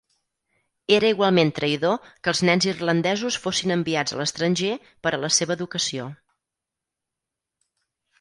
Era igualment traïdor que els nens irlandesos fossin enviats a l'estranger per a la seva educació.